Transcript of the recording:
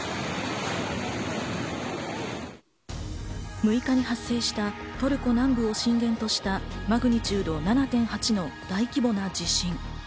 ６日に発生した、トルコ南部を震源としたマグニチュード７．８の大規模な地震。